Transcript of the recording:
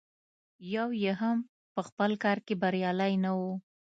یو یې هم په خپل کار کې بریالی نه و.